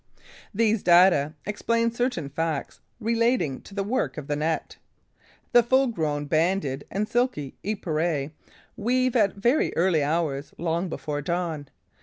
These data explain certain facts relating to the work of the net. The full grown Banded and Silky Epeirae weave at very early hours, long before dawn.